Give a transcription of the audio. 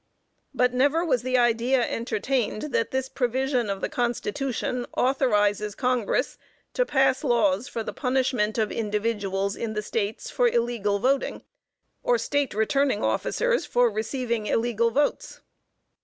But never was the idea entertained, that this provision of the Constitution authorizes Congress to pass laws for the punishment of individuals in the States for illegal voting, or State returning officers for receiving illegal votes.